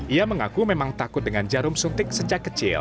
ia mengaku memang takut dengan jarum suntik sejak kecil